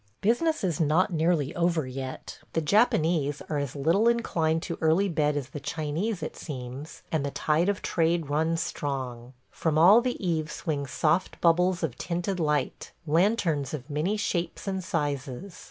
... Business is not nearly over yet. The Japanese are as little inclined to early bed as the Chinese, it seems, and the tide of trade runs strong. ... From all the eaves swing soft bubbles of tinted light – lanterns of many shapes and sizes.